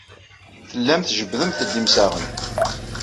Tellamt tjebbdemt-d imsaɣen.